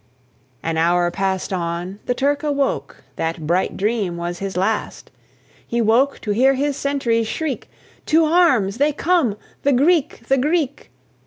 An hour passed on the Turk awoke; That bright dream was his last; He woke to hear his sentries shriek, "To arms! they come! the Greek! the Greek!"